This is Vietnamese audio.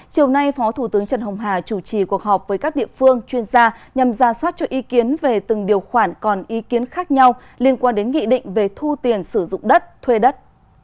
chiều nay phó thủ tướng trần hồng hà chủ trì cuộc họp với các địa phương chuyên gia nhằm ra soát cho ý kiến về từng điều khoản còn ý kiến khác nhau liên quan đến nghị định về thu tiền sử dụng đất thuê đất